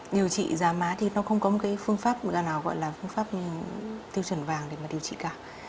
điều trị giá má thì nó không có một cái phương pháp nào gọi là phương pháp tiêu chuẩn vàng để mà điều trị cả